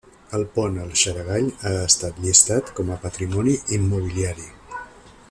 El pont al Xaragall ha estat llistat com a patrimoni immobiliari.